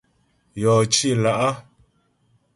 Yɔ cì lá'.